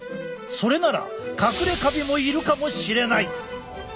それならかくれカビもいるかもしれない！